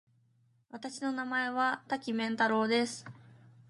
私の名前は多岐麺太郎です。